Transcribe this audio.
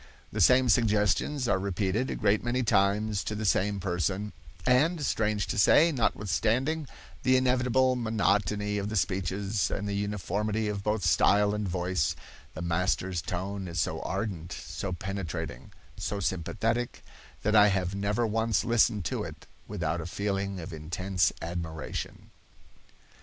"The same suggestions are repeated a great many times to the same person, and, strange to say, notwithstanding the inevitable monotony of the speeches, and the uniformity of both style and voice, the master's tone is so ardent, so penetrating, so sympathetic, that I have never once listened to it without a feeling of intense admiration."